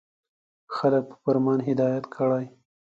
• خلک په فرمان هدایت کړئ.